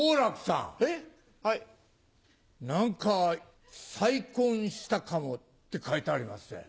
何か再婚したかもって書いてありまっせ。